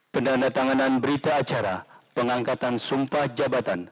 penanda tanganan berita acara pengangkatan sumpah jabatan